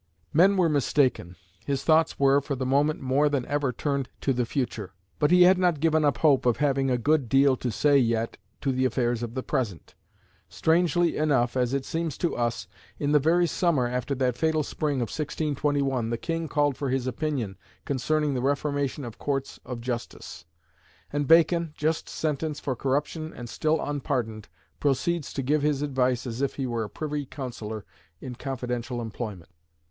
Men were mistaken. His thoughts were, for the moment, more than ever turned to the future; but he had not given up hope of having a good deal to say yet to the affairs of the present. Strangely enough, as it seems to us, in the very summer after that fatal spring of 1621 the King called for his opinion concerning the reformation of Courts of Justice; and Bacon, just sentenced for corruption and still unpardoned, proceeds to give his advice as if he were a Privy Councillor in confidential employment.